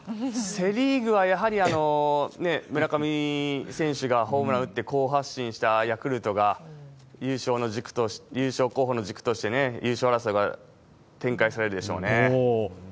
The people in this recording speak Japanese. セ・リーグはやはり村上選手がホームラン打って好発進したヤクルトが優勝候補の軸としてね、優勝争いが展開されるでしょうね。